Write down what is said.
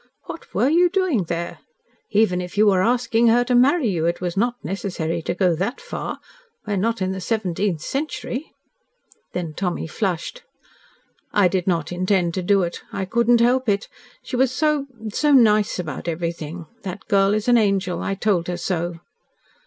"What were you doing there? Even if you were asking her to marry you, it was not necessary to go that far. We are not in the seventeenth century." Then Tommy flushed. "I did not intend to do it. I could not help it. She was so so nice about everything. That girl is an angel. I told her so."